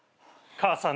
母さん！